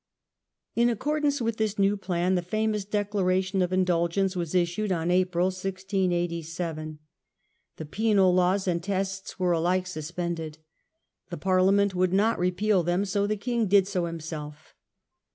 In accordance with this new plan the famous Declara tion of Indulgence was issued in April, 1687. The penal 94 THE BAIT IS REFUSED. laws and Tests were alike suspended. The Parliament would not repeal them, so the king did so himself.